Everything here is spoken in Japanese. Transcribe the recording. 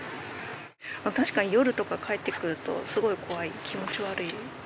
確かに夜とか帰ってくるとすごい怖い気持ち悪い。